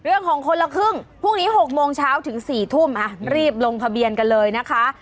คนละครึ่งพรุ่งนี้๖โมงเช้าถึง๔ทุ่มรีบลงทะเบียนกันเลยนะคะ